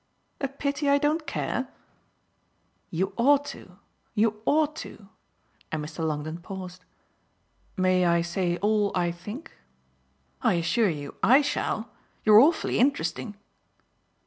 "A pity I don't care?" "You ought to, you ought to." And Mr. Longdon paused. "May I say all I think?" "I assure you I shall! You're awfully interesting."